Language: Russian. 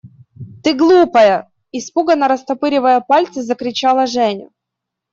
– Ты, глупая! – испуганно растопыривая пальцы, закричала Женя.